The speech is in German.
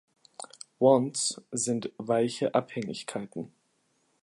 Wants sind weiche Abhängigkeiten.